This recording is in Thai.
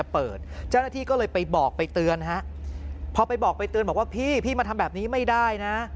พอไปบอกไปเตือนบอกว่าพี่มาทำแบบนี้ไม่ได้นะ